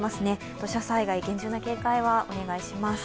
土砂災害に厳重な警戒はお願いします。